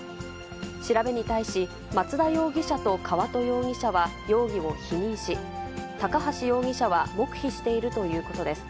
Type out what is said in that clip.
調べに対し、松田容疑者と川戸容疑者は容疑を否認し、高橋容疑者は黙秘しているということです。